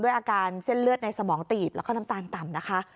อาการเส้นเลือดในสมองตีบแล้วก็น้ำตาลต่ำนะคะ